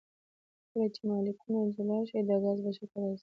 کله چې مالیکولونه جلا شي د ګاز په شکل راځي.